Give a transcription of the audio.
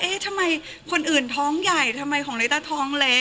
เฮ้ทำไปคนอื่นท้องใหญ่เทมยของเรชธาท้องเล็ก